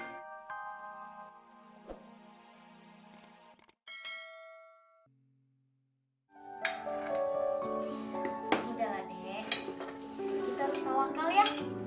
udah lah deh kita harus tawakal ya